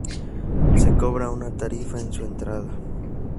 Se cobra una tarifa en su entrada.